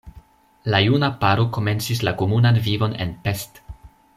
La juna paro komencis la komunan vivon en Pest.